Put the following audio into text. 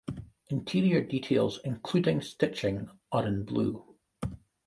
Interior details, including stitching are in blue.